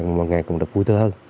mà ngày cùng được vui thơ hơn